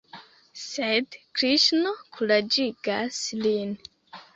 Sed Kriŝno kuraĝigas lin.